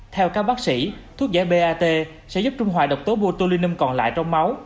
theo các bác sĩ thuốc giải bat sẽ giúp trung hoại độc tố botulinum còn lại trong máu